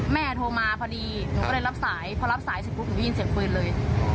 โทรมาพอดีหนูก็เลยรับสายพอรับสายเสร็จปุ๊บหนูได้ยินเสียงปืนเลย